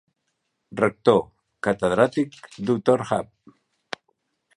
Rector: Catedràtic dr hab.